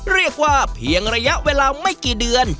เรียกว่าเพียงระยะเวลาไม่กี่เดือน